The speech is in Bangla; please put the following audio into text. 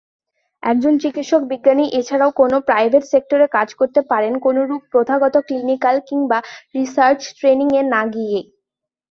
একজন চিকিৎসক-বিজ্ঞানী এছাড়াও কোন প্রাইভেট সেক্টরে কাজ করতে পারেন কোনরূপ প্রথাগত ক্লিনিক্যাল কিংবা রিসার্চ ট্রেনিং এ না গিয়েই।